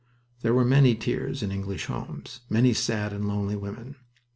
There were many tears in English homes; many sad and lonely women.